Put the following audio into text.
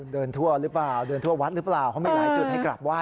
เดินทั่ววัดหรือเปล่าเขาไม่ไหลจืดให้กราบไหว้